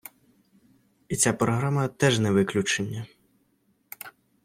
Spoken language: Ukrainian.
І ця програма теж не виключення.